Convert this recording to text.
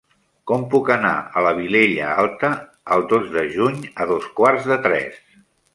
Com puc anar a la Vilella Alta el dos de juny a dos quarts de tres?